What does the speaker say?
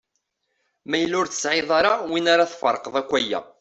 Ma yella ur tesɛiḍ ara win ara tferqeḍ akk aya.